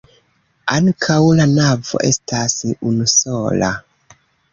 Ankaŭ la navo estas unusola.